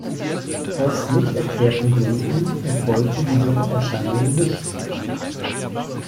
Aus nicht erklärten Gründen erfolgte diese Erscheinung nicht.